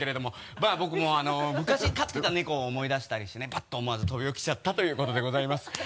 まぁ僕も昔飼ってた猫を思い出したりしてねパッ！と思わず飛び起きちゃったということでございます。